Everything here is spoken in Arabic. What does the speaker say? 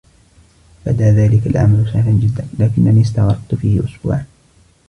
بدى ذلك العمل سهلا جدا ، لكني استغرقت فيه أسبوعا.